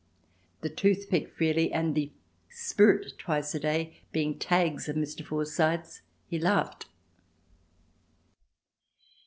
"The tooth pick freely" and "the spirit twice a day" being tags of Mr. Forsyth's, he laughed.